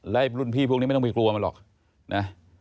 แล้วรุ่นพี่พวกนี้ไม่ต้องไปกลัวมันหรอกนะ